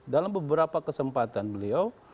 dalam beberapa kesempatan beliau